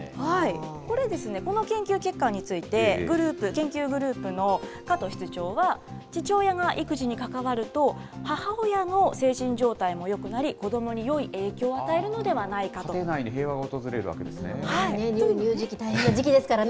これですね、この研究結果について、グループ、研究グループの加藤室長は、父親が育児に関わると、母親の精神状態もよくなり、子どもによい影響を与えるのでは家庭内に平和が訪れるわけで乳児期、大変な時期ですからね。